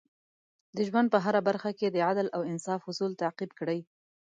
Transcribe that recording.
د ژوند په هره برخه کې د عدل او انصاف اصول تعقیب کړئ.